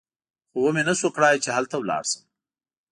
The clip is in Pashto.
خو ومې نه شوای کړای چې هلته ولاړ شم.